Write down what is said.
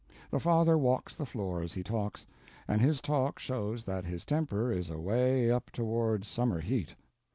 The father walks the floor as he talks, and his talk shows that his temper is away up toward summer heat.